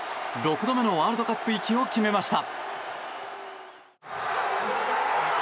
６度目のワールドカップ行きを決めました。